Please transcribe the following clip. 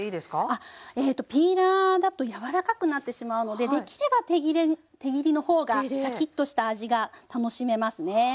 あっえとピーラーだと柔らかくなってしまうのでできれば手切れ手切りの方がシャキッとした味が楽しめますね。